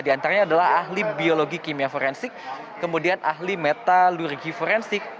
di antaranya adalah ahli biologi kimia forensik kemudian ahli metalurgi forensik